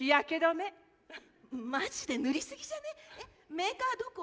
メーカーどこ？